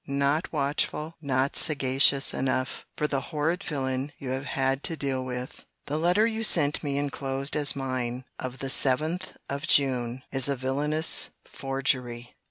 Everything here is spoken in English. not watchful, not sagacious enough, for the horrid villain you have had to deal with!—— The letter you sent me enclosed as mine, of the 7th of June, is a villanous forgery.